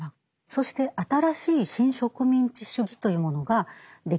そして新しい新植民地主義というものができていく。